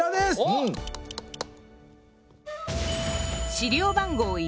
資料番号１。